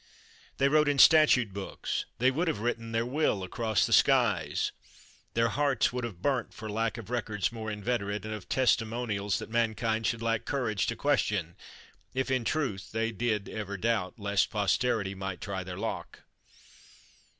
They wrote in statute books; they would have written their will across the skies. Their hearts would have burnt for lack of records more inveterate, and of testimonials that mankind should lack courage to question, if in truth they did ever doubt lest posterity might try their lock.